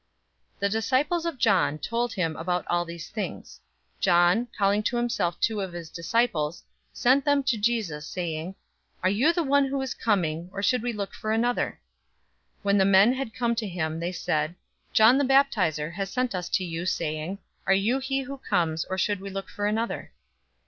007:018 The disciples of John told him about all these things. 007:019 John, calling to himself two of his disciples, sent them to Jesus, saying, "Are you the one who is coming, or should we look for another?" 007:020 When the men had come to him, they said, "John the Baptizer has sent us to you, saying, 'Are you he who comes, or should we look for another?'"